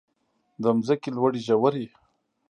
د ځمکې لوړې ژورې.